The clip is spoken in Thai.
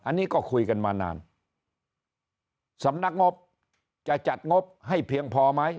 อันนี้ก็คุยกันมานานสำนักงบจะจัดงบให้เพียงพอไหม